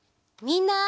みんな！